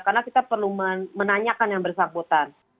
karena kita perlu menanyakan yang bersakbutan